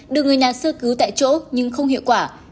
được người nhà sơ cứu tại chỗ nhưng không hiệu quả